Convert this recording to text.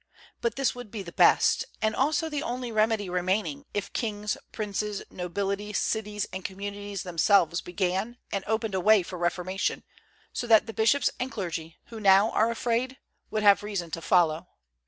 But this would be the best, and also the only remedy remaining, if kings, princes, nobility, cities and communities themselves began and opened a way for reformation, so that the bishops and clergy, who now are afraid, would have reason to follow.